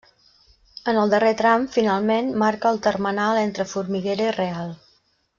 En el darrer tram, finalment, marca el termenal entre Formiguera i Real.